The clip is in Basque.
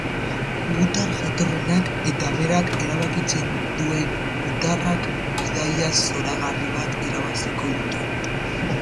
Gutar jatorrenak eta berak erabakitzen duen gutarrak bidaia zoragarri bat irabaziko dute.